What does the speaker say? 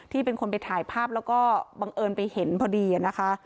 เป็นคนไปถ่ายภาพแล้วก็บังเอิญไปเห็นพอดีนะคะ